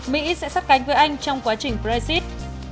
mỹ sẽ sát cánh với anh trong quá trình brexit